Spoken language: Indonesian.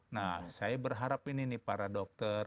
nah saya berharap ini nih para dokter